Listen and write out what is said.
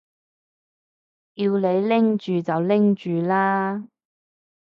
叫你拎住就拎住啦